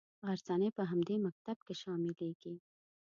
غرڅنۍ په همدې مکتب کې شاملیږي.